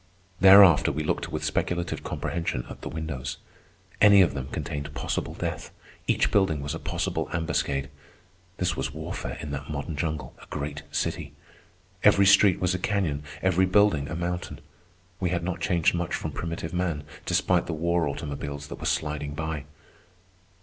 Thereafter we looked with speculative comprehension at the windows. Any of them contained possible death. Each building was a possible ambuscade. This was warfare in that modern jungle, a great city. Every street was a canyon, every building a mountain. We had not changed much from primitive man, despite the war automobiles that were sliding by.